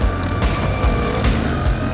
pak bisa berhenti